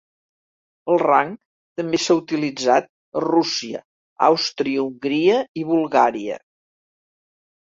El rang també s'ha utilitzat a Rússia, Àustria-Hongria i Bulgària.